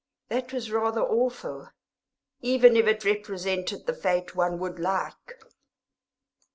That was rather awful, even if it represented the fate one would like.